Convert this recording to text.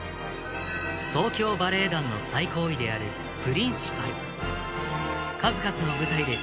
東京バレエ団の最高位であるプリンシパル